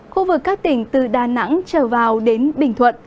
khu vực các tỉnh từ đà nẵng trở vào đến bình thuận